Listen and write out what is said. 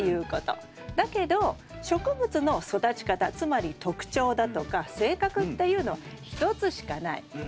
だけど植物の育ち方つまり特徴だとか性格っていうのは１つしかない。